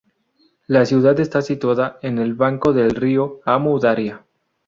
La ciudad está situada en el banco del río Amu Daria.